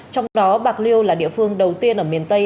trong đó bạc liêu là địa phương đầu tiên ở miền tây